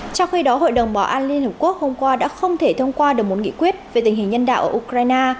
trong khi đó hội đồng bảo an liên hợp quốc hôm qua đã không thể thông qua được một nghị quyết về tình hình nhân đạo ở ukraine